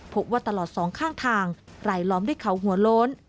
ว่าตลอดสองข้างทางรายล้อมด้วยเขาหัวโล้น